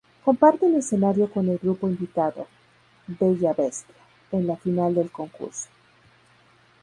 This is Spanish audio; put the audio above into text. Comparten escenario con el grupo invitado "Bella Bestia" en la final del concurso.